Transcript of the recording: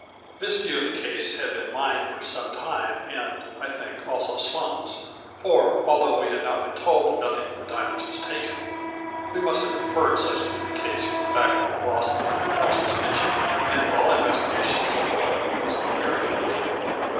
This view of the case had been mine for some time and, I think, also Sloane's, for, although we had not been told that nothing but the dia monds was taken, we must have inferred such to be the case from the fact that the loss of nothing else was mentioned, and all investiga tion, so far, was on their account.